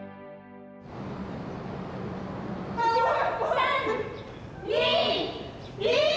３２１！